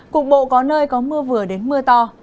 cục bộ có nơi có mưa vừa đến mưa to